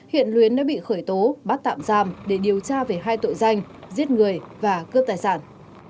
hiện luyến đã bị khởi tố bắt tạm giam để điều tra về hai tội danh giết người và cướp tài sản